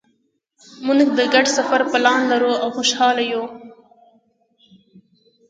مونږ د ګډ سفر پلان لرو او خوشحاله یو